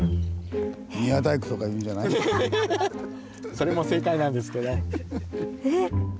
それも正解なんですけど。